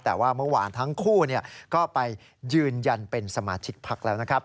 แต่ว่าเมื่อวานทั้งคู่ก็ไปยืนยันเป็นสมาชิกพักแล้วนะครับ